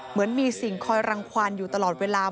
เหมือนมีสิ่งคอยรังควันอยู่ตลอดเวลา